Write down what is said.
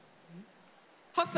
８歳？